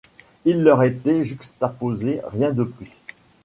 Il leur était juxtaposé ; rien de plus.